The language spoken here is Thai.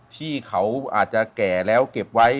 ที่เขาอาจจะแก่แล้วเก็บไว้